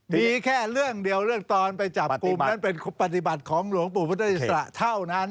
มีแค่เรื่องเดียวเรื่องตอนไปจับกลุ่มนั้นเป็นปฏิบัติของหลวงปู่พุทธอิสระเท่านั้น